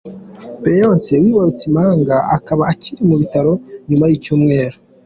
Beyonce wibarutse impanga akaba akiri mu bitaro nyuma y’icyumweru.